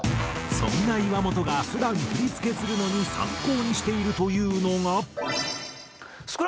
そんな岩本が普段振付するのに参考にしているというのが。